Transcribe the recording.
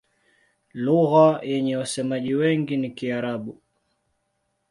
Lugha yenye wasemaji wengi ni Kiarabu.